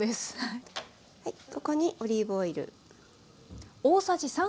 ここにオリーブオイル。